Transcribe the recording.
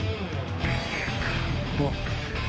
うわっ。